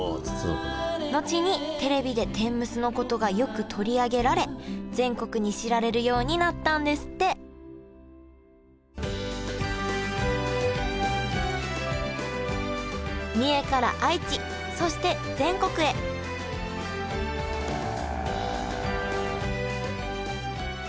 後にテレビで天むすのことがよく取り上げられ全国に知られるようになったんですって三重から愛知そして全国へへえ。